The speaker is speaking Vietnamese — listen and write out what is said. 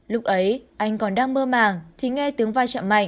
lúc ấy anh còn đang mơ màng thì nghe tiếng vai trạm mạnh